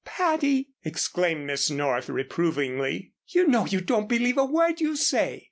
"Patty!" exclaimed Miss North, reprovingly. "You know you don't believe a word you say.